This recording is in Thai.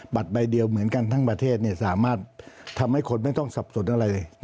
ใบเดียวเหมือนกันทั้งประเทศสามารถทำให้คนไม่ต้องสับสนอะไรเลย